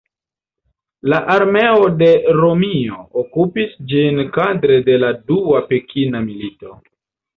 La armeo de Romio okupis ĝin kadre de la Dua Punika Milito.